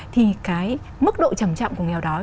thì cái mức độ trầm trọng của nghèo đói